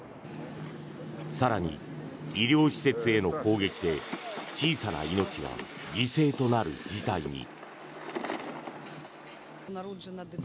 更に、医療施設への攻撃で小さな命が犠牲となる事態に。